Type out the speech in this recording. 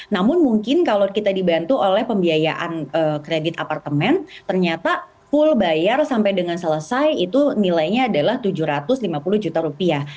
namun mungkin kalau kita dibantu oleh pembiayaan kredit apartemen ternyata full bayar sampai dengan selesai itu nilainya adalah tujuh ratus lima puluh juta rupiah